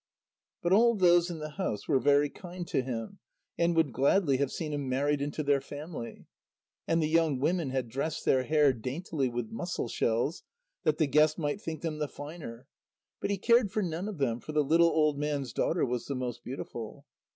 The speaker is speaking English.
But all those in the house were very kind to him, and would gladly have seen him married into their family. And the young women had dressed their hair daintily with mussel shells, that the guest might think them the finer. But he cared for none of them, for the little old man's daughter was the most beautiful.